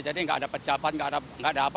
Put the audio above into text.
jadi tidak ada pecah paham tidak ada apa apa